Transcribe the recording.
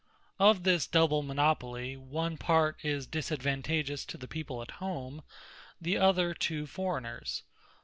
Of this double Monopoly one part is disadvantageous to the people at home, the other to forraigners.